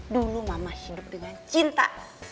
dulu mama hidup dengan cinta